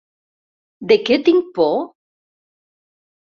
¿De què tinc por?